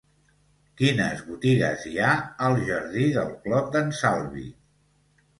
Quines botigues hi ha al jardí del Clot d'en Salvi?